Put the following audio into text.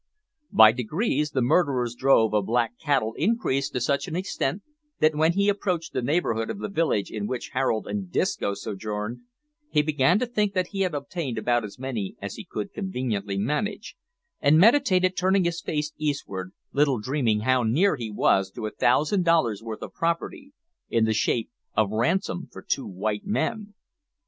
By degrees the murderer's drove of black "cattle" increased to such an extent that when he approached the neighbourhood of the village in which Harold and Disco sojourned, he began to think that he had obtained about as many as he could conveniently manage, and meditated turning his face eastward, little dreaming how near he was to a thousand dollars' worth of property, in the shape of ransom for two white men!